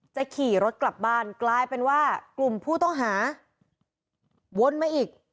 ขี่รถกลับบ้านกลายเป็นว่ากลุ่มผู้ต้องหาวนมาอีก